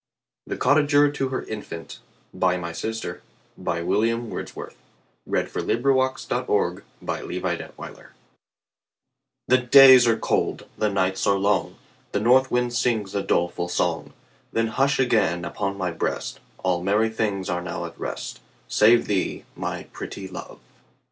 THE COTTAGER TO HER INFANT BY MY SISTER THE COTTAGER TO HER INFANT THE days are cold, the nights are long, The north wind sings a doleful song; Then hush again upon my breast; All merry things are now at rest, Save thee, my pretty Love!